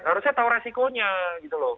harusnya tahu resikonya gitu loh